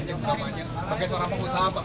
sebagai seorang pengusaha apa